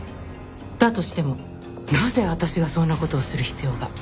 だとしてもなぜ私がそんな事をする必要が？